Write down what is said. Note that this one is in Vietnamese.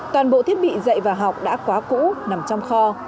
toàn bộ thiết bị dạy và học đã quá cũ nằm trong kho